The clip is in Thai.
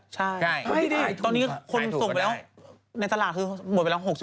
ใช่ตอนนี้คนส่งไปแล้ว